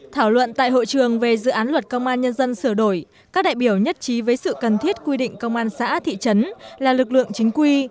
thảo luận tại hội trường về dự án luật công an nhân dân sửa đổi các đại biểu nhất trí với sự cần thiết quy định công an xã thị trấn là lực lượng chính quy